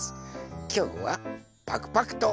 きょうはパクパクと。